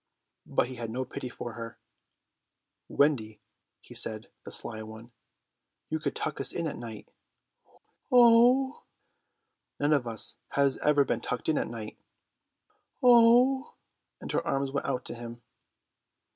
But he had no pity for her. "Wendy," he said, the sly one, "you could tuck us in at night." "Oo!" "None of us has ever been tucked in at night." "Oo," and her arms went out to him.